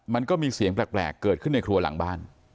มันก็มีเสียงแปลกเกิดขึ้นในครัวหลังบ้าน